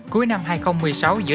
cuối năm hai nghìn một mươi sáu giữa